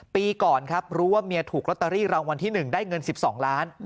ปีก่อนครับรู้ว่าเมียถูกลอตเตอรี่รางวัลที่๑ได้เงิน๑๒ล้าน